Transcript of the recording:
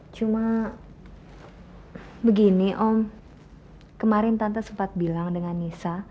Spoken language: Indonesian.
cuma begini om kemarin tante sempat bilang dengan nisa